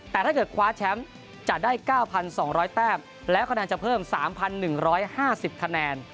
แต่ถ้าเกิดคว้าแชมป์จะได้๙๒๐๐แต้มและคะแนนจะเพิ่ม๓๑๕๐คะแนน